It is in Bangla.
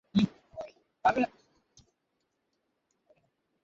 ক্ষুধা লেগেছে তোমার?